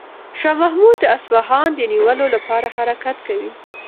شاه محمود د اصفهان د نیولو لپاره حرکت کوي.